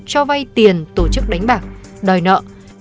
cho vay tiền tổ chức đánh bạc đòi nợ